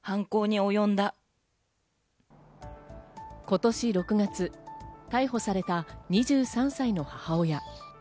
今年６月、逮捕された２３歳の母親。